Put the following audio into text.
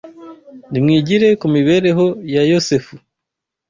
Nimwigire ku mibereho ya Yosefu